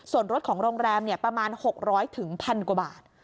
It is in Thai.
ส่วนรถของโรงแรมประมาณ๖๐๐๑๐๐กว่าบาท